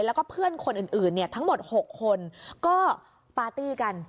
แล้วก็เพื่อนคนอื่นทั้งหมด๖คนก็ปาร์ตี้กัน